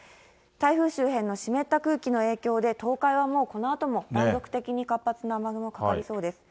台風周辺の湿った空気の影響で、東海はもうこのあとも断続的に活発な雨雲かかりそうです。